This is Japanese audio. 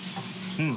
うん！